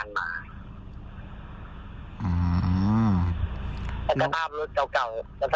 รถกับพระราชาวตน